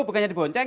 bukannya di bonceng